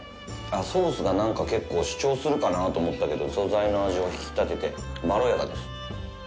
ソースがなんか結構主張するかなと思ったけど素材の味を引き立てて、まろやかです。